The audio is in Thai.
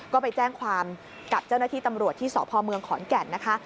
ก็ไปแจ้งความกับเจ้าหน้าที่ตำรวจที่สพเมืองขอนแก่นนะคะ